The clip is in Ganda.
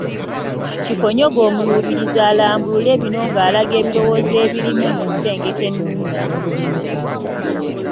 Kikonyogo Omuluubirizi alambulule bino ng’alaga ebirowoozo ebirimu mu nsengeka ennungamu